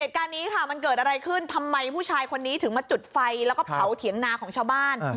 เหตุการณ์นี้ค่ะมันเกิดอะไรขึ้นทำไมผู้ชายคนนี้ถึงมาจุดไฟแล้วก็เผาเถียงนาของชาวบ้าน